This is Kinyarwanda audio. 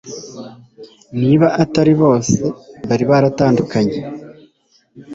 niba atari bose, bari baratandukanye